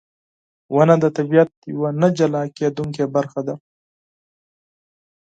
• ونه د طبیعت یوه نه جلا کېدونکې برخه ده.